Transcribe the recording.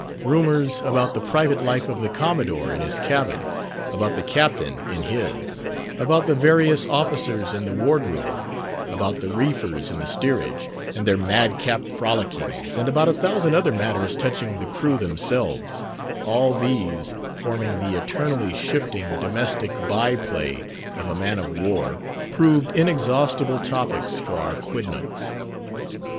Rumours about the private life of the Commodore in his cabin; about the Captain, in his; about the various officers in the ward room; about the reefers in the steerage, and their madcap frolickings, and about a thousand other matters touching the crew themselves; all these—forming the eternally shifting, domestic by play of a man of war—proved inexhaustible topics for our quidnuncs.